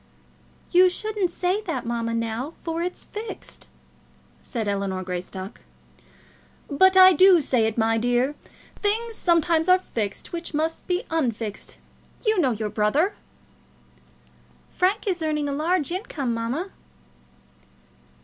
"You shouldn't say that, mamma, now; for it's fixed," said Ellinor Greystock. "But I do say it, my dear. Things sometimes are fixed which must be unfixed. You know your brother." "Frank is earning a large income, mamma."